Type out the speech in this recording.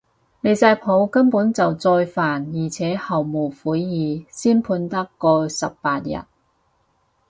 離晒譜，根本就再犯而且毫無悔意，先判得嗰十八日